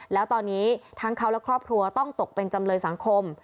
แล้วตอนนี้ทั้งเขาและครอบครัวต้องตกเป็นจำเลยสังคม